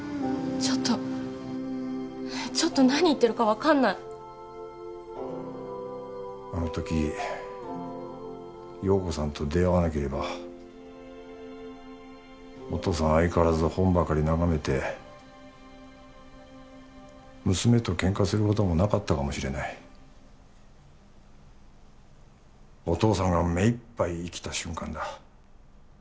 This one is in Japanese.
ちょっとちょっと何言ってるか分かんないあのとき陽子さんと出会わなければお父さん相変わらず本ばかり眺めて娘とケンカすることもなかったかもしれないお父さんが目いっぱい生きた瞬間だ